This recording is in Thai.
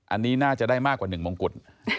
อันนี้น่าจะได้มากกว่า๑มงกุฎ